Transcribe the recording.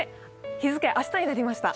日付、明日になりました。